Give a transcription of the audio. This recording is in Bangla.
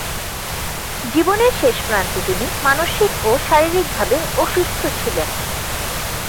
জীবনের শেষ প্রান্তে তিনি মানসিক ও শারীরিকভাবে অসুস্থ ছিলেন।